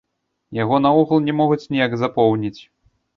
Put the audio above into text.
Яго наогул не могуць ніяк запоўніць.